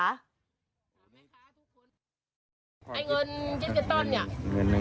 ชุดขอบคุณที่ช่วยเด็กที่ได้สำหรับพวกเรา